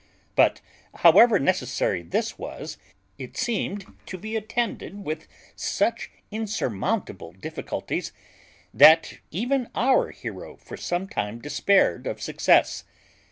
But, however necessary this was, it seemed to be attended with such insurmountable difficulties, that even our hero for some time despaired of success.